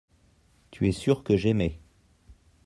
tu es sûr que j'aimai.